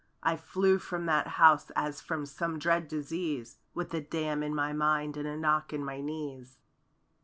I flew from that house as from some dread disease. With a dam in my mind and a knock in my knees.